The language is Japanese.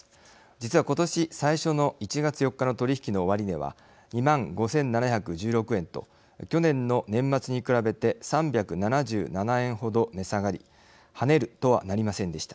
実は、今年最初の１月４日の取り引きの終値は２万５７１６円と去年の年末に比べて３７７円程、値下がり跳ねるとはなりませんでした。